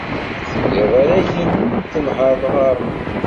Tlid arrag-nnem n tenhaṛt ɣer-m.